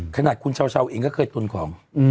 ขนาดคุณเช้าเองก็เคยทนของ